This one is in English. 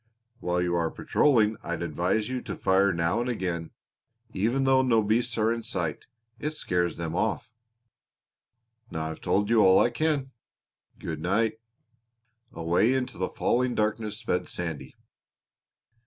While you are patrolling I'd advise you to fire now and again, even though no beasts are in sight; it scares them off. Now I've told you all I can. Good night." Away into the falling darkness sped Sandy.